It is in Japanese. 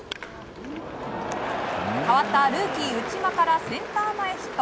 代わったルーキー、内間からセンター前ヒット。